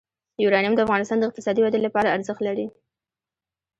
یورانیم د افغانستان د اقتصادي ودې لپاره ارزښت لري.